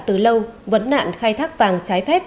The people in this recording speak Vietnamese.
từ lâu vấn nạn khai thác vàng trái phép